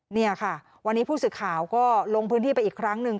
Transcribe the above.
นี่ค่ะวันนี้ผู้สื่อข่าวก็ลงพื้นที่ไปอีกครั้งหนึ่ง